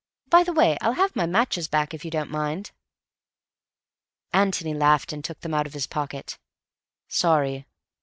By the way, I'll have my matches back, if you don't mind." Antony laughed and took them out of his pocket. "Sorry....